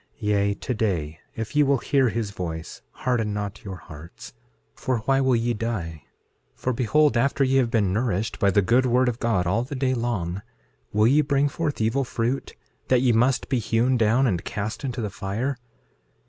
6:6 Yea, today, if ye will hear his voice, harden not your hearts; for why will ye die? 6:7 For behold, after ye have been nourished by the good word of God all the day long, will ye bring forth evil fruit, that ye must be hewn down and cast into the fire?